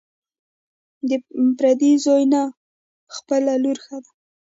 ـ د پردي زوى نه، خپله لور ښه ده.